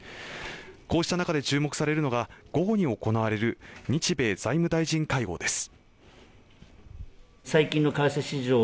こうした中で注目されるのが午後に行われる日米財務大臣会合です